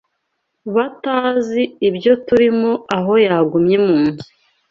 Batazi ibyo tulimo Aho yagumye mu nzu